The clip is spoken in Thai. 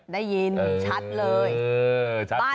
ได้ยินชัดเลย